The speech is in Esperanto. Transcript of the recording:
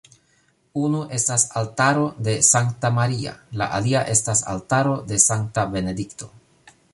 Unu estas altaro de Sankta Maria, la alia estas altaro de Sankta Benedikto.